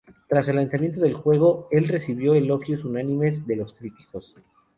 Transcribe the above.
Tras el lanzamiento, el juego recibió elogios unánimes de los críticos.